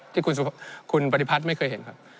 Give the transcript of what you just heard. ที่คุณปฏิพัฒน์ไม่เคยเห็นครับ